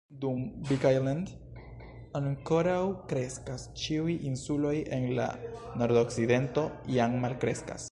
Dum "Big Island" ankoraŭ kreskas, ĉiuj insuloj en la nordokcidento jam malkreskas.